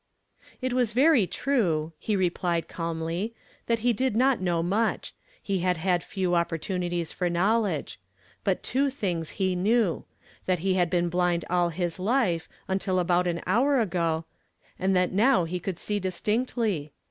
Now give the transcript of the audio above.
It was very true, he replied calmly, that he did not know much ; he had had few opportunities /or knowledge; but two things he kne\y.: tbaj; 240 YESTERDAY FllAMED IX TO DAY. !.|,! he had been blind all his life until about an liour ago, and that now he could see distinctly.